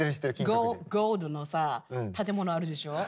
ゴールドのさ建物あるでしょ。